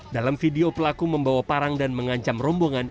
dalam video pelaku membawa parang dan mengancam rombongan